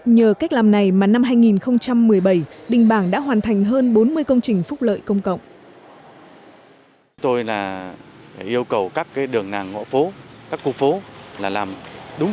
nhờ cách làm này mà năm hai nghìn một mươi bảy đình bảng đã hoàn thành hơn bốn mươi công trình phúc lợi công cộng